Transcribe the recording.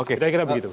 kita kira begitu